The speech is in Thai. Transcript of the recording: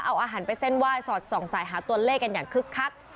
เอาอาหารไปเส้นไหว้สอดส่องสายหาตัวเลขกันอย่างคึกคัก